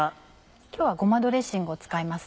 今日はごまドレッシングを使います。